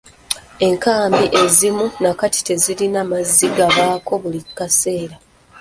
Enkambi ezimu na kati tezirina mazzi gabaako buli kaseera.